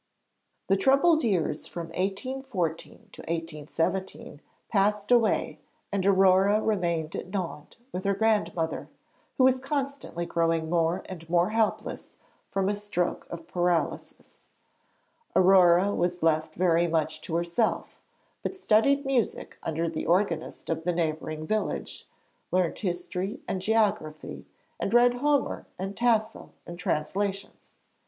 The troubled years from 1814 to 1817 passed away and Aurore remained at Nohant with her grandmother, who was constantly growing more and more helpless from a stroke of paralysis. Aurore was left very much to herself, but studied music under the organist of the neighbouring village, learnt history and geography, and read Homer and Tasso in translations.